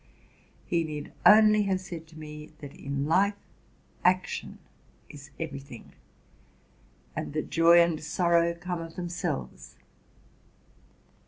He need only" have said to me that in life action is every thing, and that joy and sorrow come of themselves.